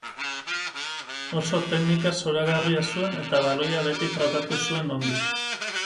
Oso teknika zoragarria zuen eta baloia beti tratatu zuen ongi.